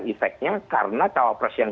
efeknya karena cawapres yang